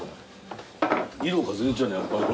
色が全然違うやっぱり。